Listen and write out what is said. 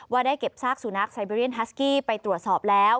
ได้เก็บซากสุนัขไซเบรียนฮัสกี้ไปตรวจสอบแล้ว